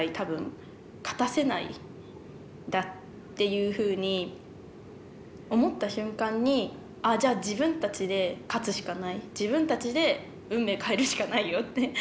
っていうふうに思った瞬間にじゃあ自分たちで勝つしかない自分たちで運命変えるしかないよって。